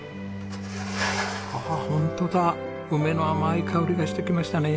ああホントだ梅の甘い香りがしてきましたね。